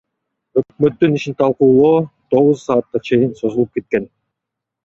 Өкмөттүн ишин талкуулоо тогуз саатка чейин созулуп кеткен.